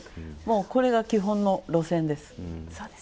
これが基本の路線です。